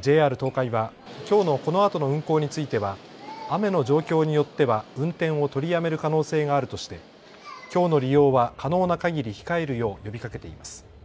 ＪＲ東海はきょうのこのあとの運行については雨の状況によっては運転を取りやめる可能性があるとしてきょうの利用は可能なかぎり控えるよう呼びかけています。